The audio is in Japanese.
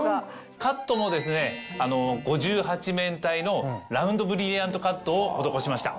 カットも５８面体のラウンドブリリアントカットを施しました。